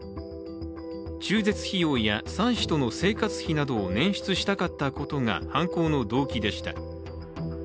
中絶費用や妻子との生活費を捻出したかったことが犯行の動機でした。